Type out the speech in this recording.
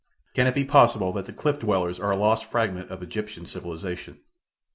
Can it be possible that the cliff dwellers are a lost fragment of Egyptian civilization?